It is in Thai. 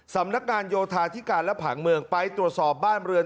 สำนักงานโยธาธิการและผังเมืองไปตรวจสอบบ้านเรือน